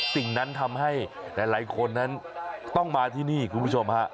สิ่งนั้นทำให้หลายคนนั้นต้องมาที่นี่คุณผู้ชมฮะ